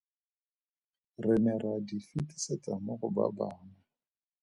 Re ne ra di fetisetsa mo go ba bangwe.